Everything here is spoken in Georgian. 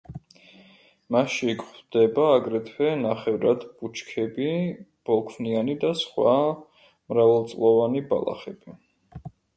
მასში გვხვდება აგრეთვე ნახევრად ბუჩქები, ბოლქვიანი და სხვა მრავალწლოვანი ბალახები.